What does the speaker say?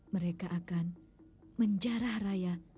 mereka akan menjarah raya